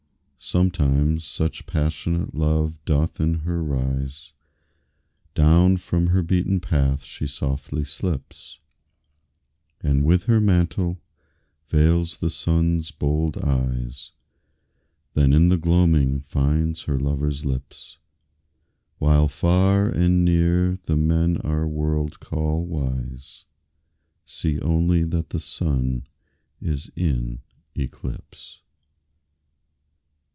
Sometimes such passionate love doth in her rise, Down from her beaten path she softly slips, And with her mantle veils the Sun's bold eyes, Then in the gloaming finds her lover's lips. While far and near the men our world call wise See only that the Sun is in eclipse.